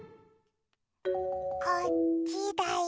こっちだよ。